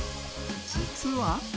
実は。